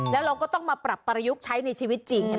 แล้วเราก็ต้องมาปรับประยุกต์ใช้ในชีวิตจริง